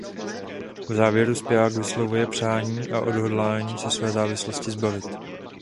V závěru zpěvák vyslovuje přání a odhodlání se své závislosti zbavit.